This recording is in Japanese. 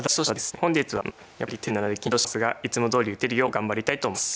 本日はやっぱりテレビ棋戦なので緊張しますがいつもどおり打てるよう頑張りたいと思います。